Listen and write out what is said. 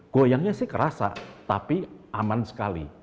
goyangnya sih kerasa tapi aman sekali